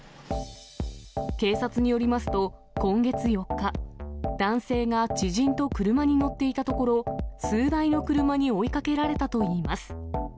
警察によりますと、今月４日、男性が知人と車に乗っていたところ、数台の車に追いかけられたといいます。